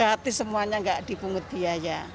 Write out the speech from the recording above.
gratis semuanya enggak dibungkut biaya